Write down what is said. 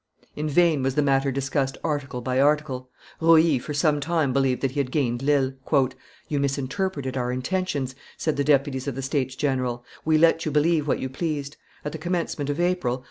In vain was the matter discussed article by article; Rouille for some time believed that he had gained Lille. "You misinterpreted our intentions," said the deputies of the States General; "we let you believe what you pleased; at the commencement of April.